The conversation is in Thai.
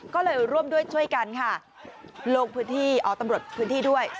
ก็เลยร่วมด้วยช่วยกันค่ะลงพื้นที่อ๋อตำรวจพื้นที่ด้วย